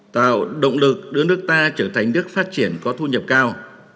tạo động lực đứa nước ta trở thành đất phát triển có thu nhập cao